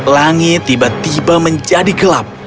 langit tiba tiba menjadi gelap